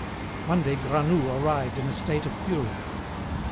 One day Granoux arrived in a state of fury.